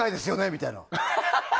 みたいな。